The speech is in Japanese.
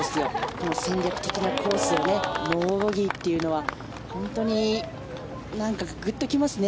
この戦略的なコースをノーボギーというのは本当にグッと来ますね。